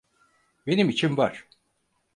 Benim için var.